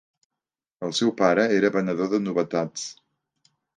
El seu pare era venedor de novetats.